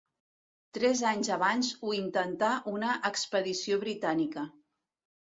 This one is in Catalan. Tres anys abans ho intentà una expedició britànica.